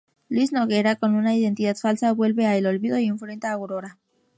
Lluís Noguera, con una identidad falsa vuelve a "El Olvido" y enfrenta a Aurora.